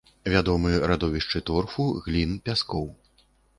Вядомы радовішчы торфу, глін, пяскоў.